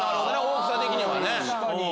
大きさ的にはね。